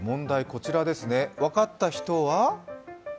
こちらですね、分かった人は？